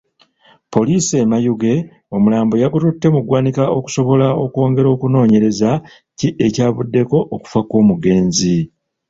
Poliisi e Mayuge omulambo yagututte mu ggwanika okusobola okwongera okunoonyereza kiki ekyavuddeko okufa kw'omugenzi.